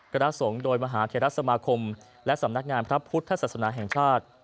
คณะสงฆ์โดยมหาเทรสมาคมและสำนักงานพระพุทธศาสนาแห่งชาติ